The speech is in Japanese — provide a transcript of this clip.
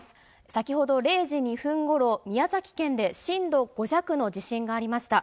先ほど０時２分ごろ、宮崎県で震度５弱の地震がありました。